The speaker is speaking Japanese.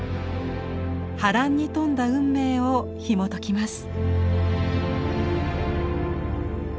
波乱に富んだ運命をひもときます。